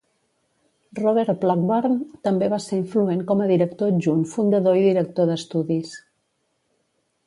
Robert Blackburn també va ser influent com a director adjunt fundador i director d'estudis.